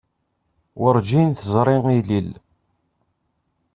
Werǧin teẓri ilel.